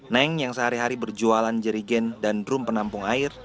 neng yang sehari hari berjualan jerigen dan drum penampung air